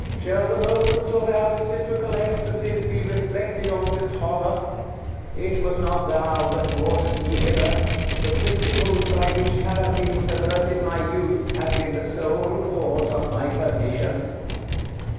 Shall the moments of our reciprocal ecstasies be reflected on with horror! It was not thou that broughtest me hither: the principles by which Carathis perverted my youth have been the sole cause of my perdition!"